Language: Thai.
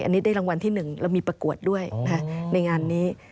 อันนี้ได้รางวัลที่๑แล้วมีประกวดด้วยในงานนี้